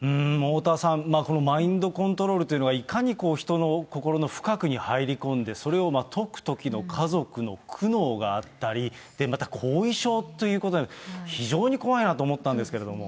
おおたわさん、マインドコントロールというのは、いかに人の心の深くに入り込んで、それを解くときの家族の苦悩があったり、また後遺症ということで、非常に怖いなと思ったんですけれども。